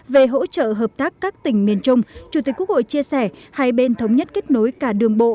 về hỗ trợ hợp tác các tỉnh miền trung chủ tịch quốc hội chia sẻ hai bên thống nhất kết nối cả đường bộ